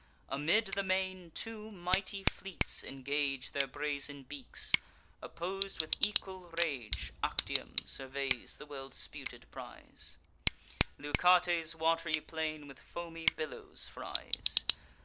Amid the main, two mighty fleets engage Their brazen beaks, oppos'd with equal rage. Actium surveys the well disputed prize; Leucate's wat'ry plain with foamy billows fries.